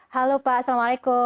halo pak assalamualaikum